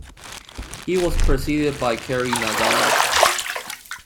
He was preceded by Kerry Nagel.